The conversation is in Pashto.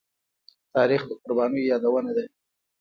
تاریخ د قربانيو يادونه ده.